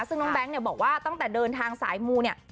ซึ่งน้องแบงค์เนี่ยบอกว่าตั้งแต่เดินทางสายมูเนี่ย